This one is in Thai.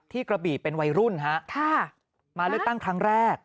กระบี่เป็นวัยรุ่นฮะมาเลือกตั้งครั้งแรก